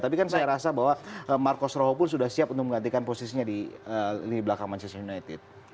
tapi kan saya rasa bahwa marcos rowo pun sudah siap untuk menggantikan posisinya di belakang manchester united